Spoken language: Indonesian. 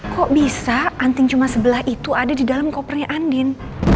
kok bisa anting cuma sebelah itu ada di dalam kopernya andin